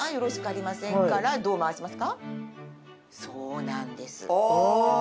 そうなんですお！